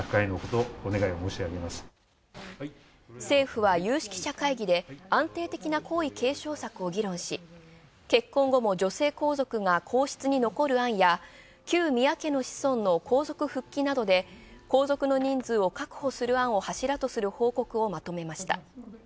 政府は有識者会議で安定的な皇位継承策を議論し、結婚後も女性皇族が皇室に残る案や旧宮家の子孫の皇族復帰などで皇族の人数を確保する案を柱とする報告をまとめました。